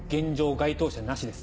該当者なしです。